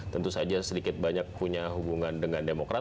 tentu saja sedikit banyak punya hubungan dengan demokrat